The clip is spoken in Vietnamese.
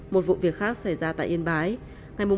một vụ việc khác xảy ra tại yên bái